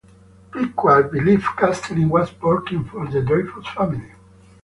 Picquart believed Castelin was working for the Dreyfus family.